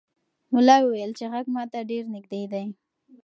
ملا وویل چې غږ ماته ډېر نږدې دی.